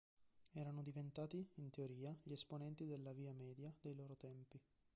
Erano diventati, in teoria, gli esponenti della "Via Media" dei loro tempi.